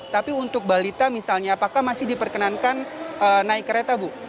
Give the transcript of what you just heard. tapi untuk balita misalnya apakah masih diperkenankan naik kereta bu